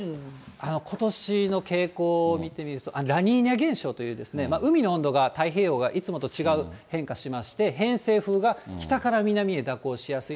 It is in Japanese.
ことしの傾向を見てみると、ラニーニャ現象という、海の温度がいつもと違う変化しまして、偏西風が北から南へ蛇行しやすい。